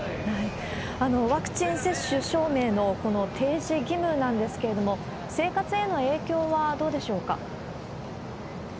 ワクチン接種証明の提示義務なんですけれども、生活への影響はどうでしょうか？